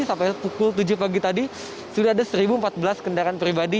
sampai pukul tujuh pagi tadi sudah ada satu empat belas kendaraan pribadi